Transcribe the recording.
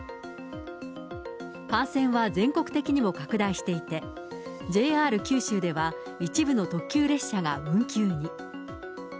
感染は全国的にも拡大していて、ＪＲ九州では、一部の特急列車が運休に。